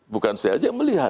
bukan saya saja